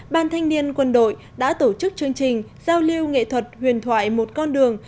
ban thanh niên quân đội đã tổ chức chương trình giao lưu nghệ thuật huyền thoại một con đường